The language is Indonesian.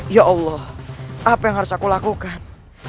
ya allah apa yang harus aku lakukan